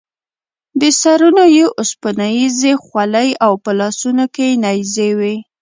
په سرونو یې اوسپنیزې خولۍ او په لاسونو کې یې نیزې وې.